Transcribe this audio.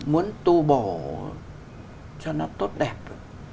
muốn tu bổ cho nó tốt đẹp